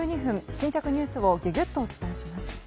新着ニュースをギュギュッとお伝えします。